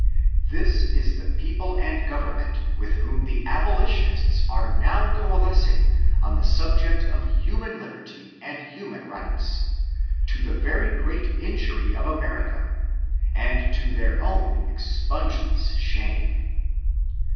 This is the people and government with whom the abolitionists are now coalescing on the subject of hu man liberty and human rights, to the very great in jury of America, and to their own expungeless shame.